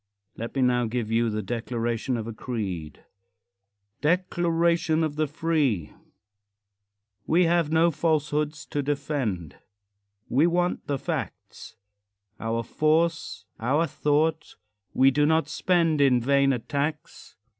Let me now give you the declaration of a creed. DECLARATION OF THE FREE We have no falsehoods to defend We want the facts; Our force, our thought, we do not spend In vain attacks.